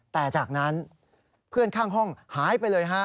แต่จากนั้นเพื่อนข้างห้องหายไปเลยฮะ